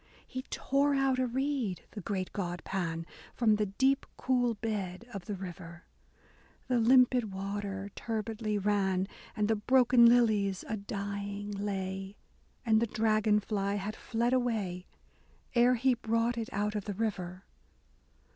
He tore out a reed, the great god Pan, From the deep cool bed of the river : The limpid water turbidly ran, And the broken lilies a dying lay, And the dragon fly had fled away, Ere he brought it out of the river.